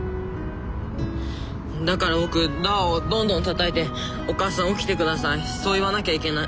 だから僕ドアをどんどんたたいて「お母さん起きてください」そう言わなきゃいけない。